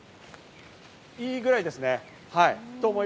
いいぐらいですね、はい。